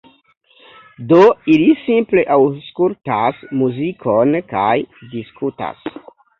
Do, ili simple aŭskultas muzikon kaj diskutas